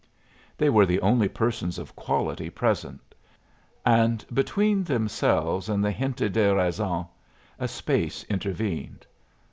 They were the only persons of quality present; and between themselves and the gente de razon a space intervened.